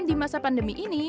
di masa pandemi ini